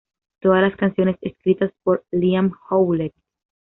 Todas las canciones escritas por Liam Howlett.